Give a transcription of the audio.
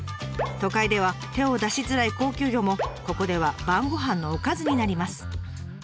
都会では手を出しづらい高級魚もここでは晩ごはんのおかずになります。